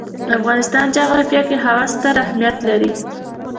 د افغانستان جغرافیه کې هوا ستر اهمیت لري.